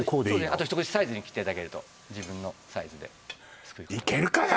あと一口サイズに切っていただけると自分のサイズでいけるかな？